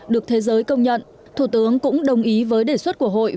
được thế giới công nhận thủ tướng cũng đồng ý với đề xuất của hội